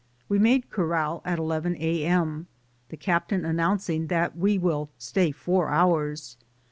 We made corral at eleven a.m., the cap tain announcing, *'That we will stay four hours."